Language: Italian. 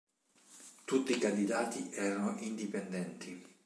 Tutti i candidati erano indipendenti.